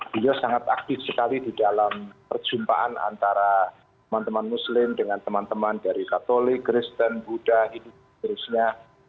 dia sangat aktif sekali di dalam perjumpaan antara teman teman muslim dengan teman teman dari katolik kristen buddha hidup terusnya